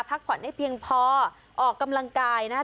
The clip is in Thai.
พักผ่อนได้เพียงพอออกกำลังกายนะคะ